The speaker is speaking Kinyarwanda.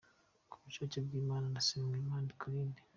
Ku bushake bw'Imana, ndasenga ngo Imana ikurinde.